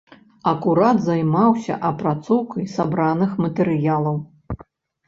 Акурат займаўся апрацоўкай сабраных матэрыялаў.